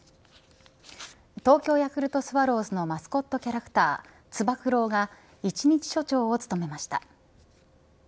東京ヤクルトスワローズのマスコットキャラクターつば九郎が一日署長を務めました。